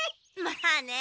まあね。